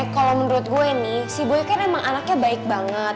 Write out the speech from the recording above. kalau menurut gue nih si boya kan emang anaknya baik banget